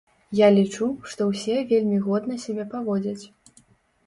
Я лічу, што ўсе вельмі годна сябе паводзяць.